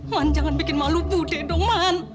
man jangan bikin malu budi dong man